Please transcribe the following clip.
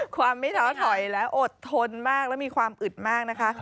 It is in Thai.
ความไม่ท้อถอยและอดทนมากและมีความอึดมากนะคะ